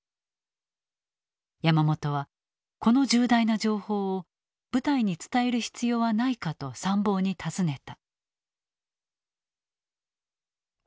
山本はこの重大な情報を部隊に伝える必要はないかと参謀に尋ねた。